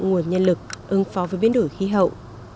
nguồn nhân lực ứng phó với biến đổi khí hậu